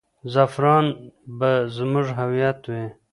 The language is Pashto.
زعفران به زموږ هویت وي.